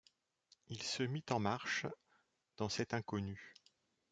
Il se mit en marche dans cet inconnu.